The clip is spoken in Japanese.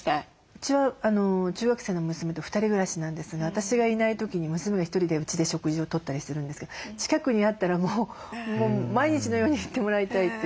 うちは中学生の娘と２人暮らしなんですが私がいない時に娘が１人でうちで食事をとったりするんですけど近くにあったらもう毎日のように行ってもらいたいというか。